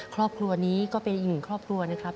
ครอบครัวนี้ก็เป็นอีกหนึ่งครอบครัวนะครับ